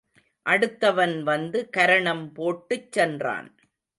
அடுத்தவன் வந்து கரணம் போட்டுச் சென்றான்.